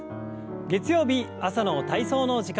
月曜日朝の体操の時間です。